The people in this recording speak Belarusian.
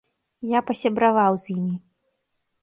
Я пасябраваў з імі.